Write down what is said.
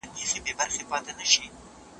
ولسي جرګه د هېواد په پرمختګ کي رول لري.